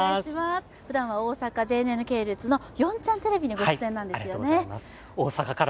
ふだんは大阪、ＪＮＮ系列の４チャンネルにご出演なんですよね。